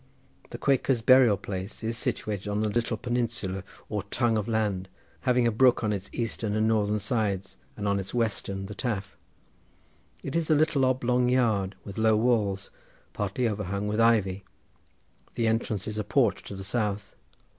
The Quakers' burying place is situated on a little peninsula or tongue of land, having a brook on its eastern and northern sides, and on its western the Taf. It is a little oblong yard, with low walls, partly overhung with ivy. The entrance is a porch to the south.